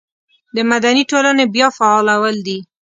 د مدني ټولنې بیا فعالول دي.